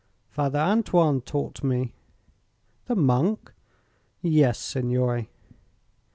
"Father Antoine taught me." "The monk?" "Yes, signore."